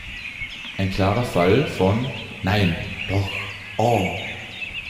Ein klarer Fall von: "Nein! Doch! Oh!"